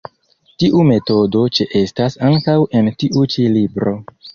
Tiu metodo ĉeestas ankaŭ en tiu ĉi libro.